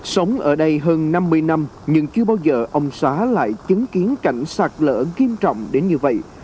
sống ở đây hơn năm mươi năm nhưng chưa bao giờ ông xóa lại chứng kiến cảnh sạt lở nghiêm trọng đến như vậy